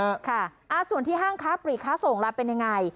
โอ้สวัสดีค่ะส่วนที่ห้างค้าปรีกค้าส่งละเป็นยังไง